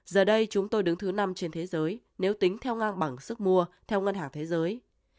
giờ đây chúng tôi đứng thứ năm trên thế giới nếu tính theo ngang bằng sức mua theo ngân hàng thế giới